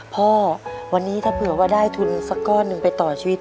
พ่อวันนี้ถ้าเผื่อว่าได้ทุนสักก้อนหนึ่งไปต่อชีวิต